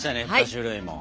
３種類も。